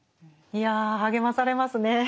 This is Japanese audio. いや励まされますね。